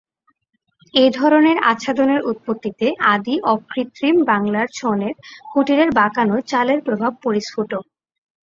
এ ধরনের আচ্ছাদনের উৎপত্তিতে আদি অকৃত্রিম বাংলার ছনের কুটিরের বাঁকানো চালের প্রভাব পরিস্ফুট।